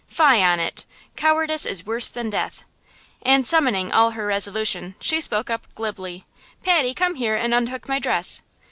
Fie on it! Cowardice is worse than death!" And summoning all her resolution she spoke up, glibly: "Patty, come here and unhook my dress."